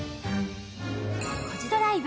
「コジドライブ」